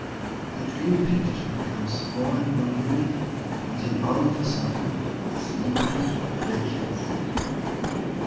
The dream picture becomes more and more vivid, until all of a sudden the sleeper awakens.